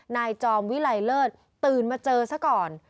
จอมวิไลเลิศตื่นมาเจอซะก่อน